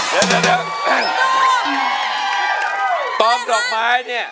ตาจ๋องต๊อกไม้นี่